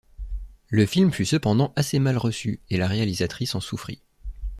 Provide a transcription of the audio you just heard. Le film fut cependant assez mal reçu et la réalisatrice en souffrit.